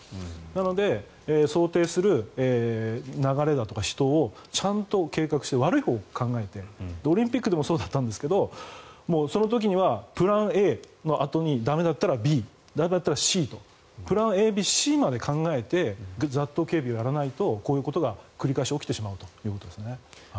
なので、想定する流れだとか人をちゃんと計画して悪いほうに考えてオリンピックでもそうだったんですがその時にはプランＡのあとにＢ駄目だったらＣとプランＡ、Ｂ、Ｃまで考えて雑踏警備をやらないとこういうことが繰り返し起きてしまうということですね。